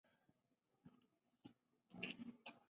El proyecto está siendo construido en casi tres cuadras.